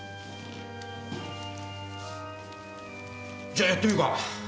じゃあやってみるか。